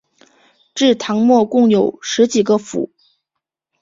至唐末共有十几个府。